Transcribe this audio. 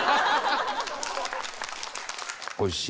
おいしい。